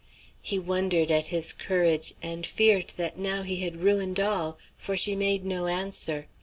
He wondered at his courage, and feared that now he had ruined all; for she made no answer.